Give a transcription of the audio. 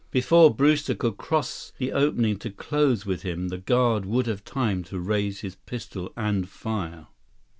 Before Brewster could cross the opening to close with him, the guard would have time to raise his pistol and fire.